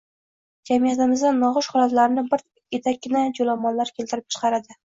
Jamiyatimizda noxush holatlarni bir etakkina joʻlomonlar keltirib chiqaradi.